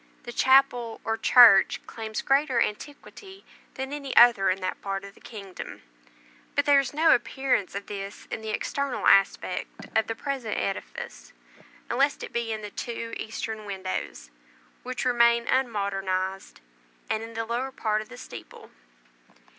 The chapel or church claims greater antiquity than any other in that part of the kingdom; but there is no appearance of this in the external aspect of the present edifice, unless it be in the two eastern windows, which remain unmodernized, and in the lower part of the steeple.